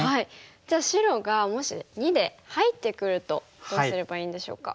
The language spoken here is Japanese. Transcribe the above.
じゃあ白がもし②で入ってくるとどうすればいいんでしょうか。